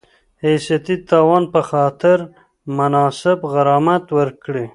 حیثیتي تاوان په خاطر مناسب غرامت ورکړي